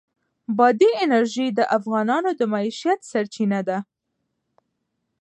بادي انرژي د افغانانو د معیشت سرچینه ده.